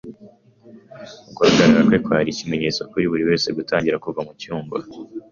Guhagarara kwe kwari ikimenyetso kuri buri wese gutangira kuva mucyumba.